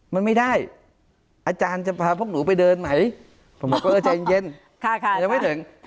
มันไม่ได้อาจารย์จะพาพวกหนูไปเดินไหมผมบอกเออใจเย็นยังไม่ถึง